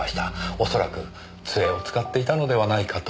おそらく杖を使っていたのではないかと。